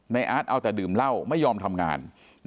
อาร์ตเอาแต่ดื่มเหล้าไม่ยอมทำงาน